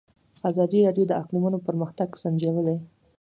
ازادي راډیو د اقلیتونه پرمختګ سنجولی.